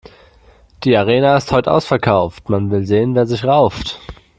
Die Arena ist heut' ausverkauft, man will sehen, wer sich rauft.